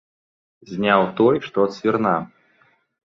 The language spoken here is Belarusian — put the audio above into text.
Зняў той, што ад свірна.